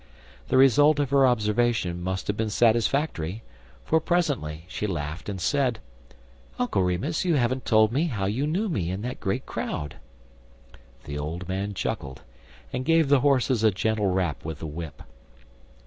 The result of her observation must have been satisfactory, for presently she laughed, and said: "Uncle Remus, you haven't told me how you knew me in that great crowd." The old man chuckled, and gave the horses a gentle rap with the whip.